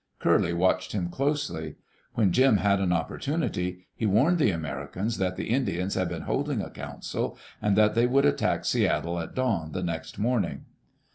Curley watched him closely. When Jim had an opportunity, he warned the Americans that the Indians had been holding a council, and that they would attack Seattle at dawn the next morning.